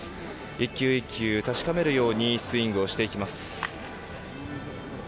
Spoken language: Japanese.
１球１球確かめるようにスイングをしていきます。